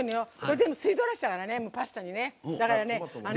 全部吸い取らせたからねパスタに。